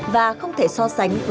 và không thể so sánh